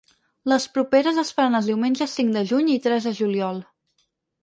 Les propers es faran els diumenges cinc de juny i tres de juliol.